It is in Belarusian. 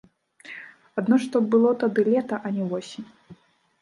Адно што было тады лета, а не восень.